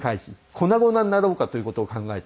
粉々になろうかという事を考えて。